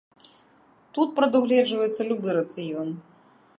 Тут прадугледжваецца любы рацыён.